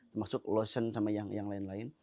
termasuk lotion sama yang lain lain